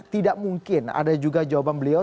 tidak mungkin ada juga jawaban beliau